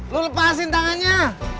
lo lepasin tangannya